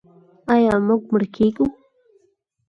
آیا موږ مړه کیږو؟